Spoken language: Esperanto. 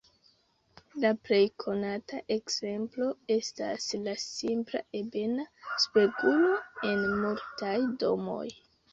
La plej konata ekzemplo estas la simpla ebena spegulo en multaj domoj.